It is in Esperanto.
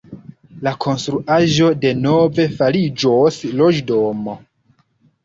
La konstruaĵo denove fariĝos loĝdomo.